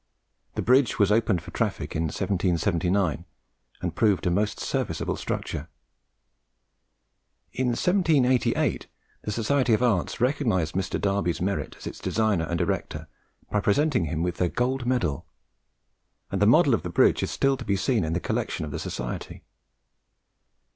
The bridge was opened for traffic in 1779, and proved a most serviceable structure. In 1788 the Society of Arts recognised Mr. Darby's merit as its designer and erector by presenting him with their gold medal; and the model of the bridge is still to be seen in the collection of the Society.